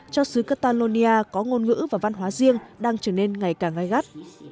cho xứ catalonia có ngôn ngữ và văn hóa riêng đang trở nên ngày càng gai gắt